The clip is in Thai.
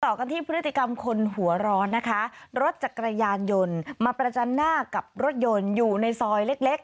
กันที่พฤติกรรมคนหัวร้อนนะคะรถจักรยานยนต์มาประจันหน้ากับรถยนต์อยู่ในซอยเล็กเล็ก